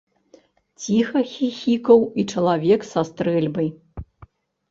Ціха хіхікаў і чалавек са стрэльбай.